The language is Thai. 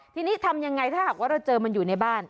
ทีนี้ทำยังไงถ้าหากว่าเราเจอมันอยู่ในบ้าน